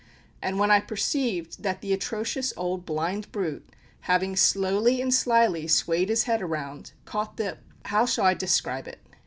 and when I perceived that this atrocious old blind brute, having slowly and slyly swayed his head round, caught the how shall I describe it?